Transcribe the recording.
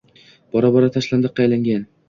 Bora-bora tashlandiqqa aylangan